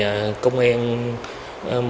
an phòng chống tội phạm